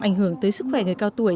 ảnh hưởng tới sức khỏe người cao tuổi